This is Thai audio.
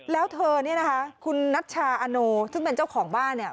แล้วเธอเนี่ยนะคะคุณนัชชาอโนซึ่งเป็นเจ้าของบ้านเนี่ย